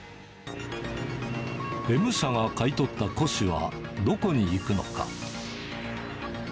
Ｍ社が買い取った古紙はどこに行くのか。